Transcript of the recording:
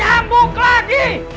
yang buat dia